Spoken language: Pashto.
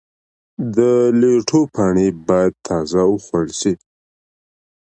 د لیټو پاڼې باید تازه وخوړل شي.